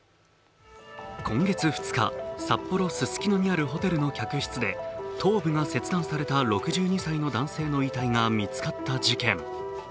今月２日、札幌・ススキノにあるホテルの客室で頭部が切断された６２歳の男性の遺体が見つかった事件。